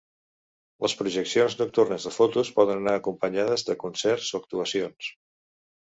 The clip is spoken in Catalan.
Les projeccions nocturnes de fotos poden anar acompanyades de concerts o actuacions.